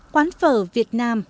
quán phở việt nam